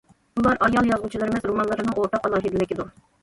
بۇلار ئايال يازغۇچىلىرىمىز رومانلىرىنىڭ ئورتاق ئالاھىدىلىكىدۇر.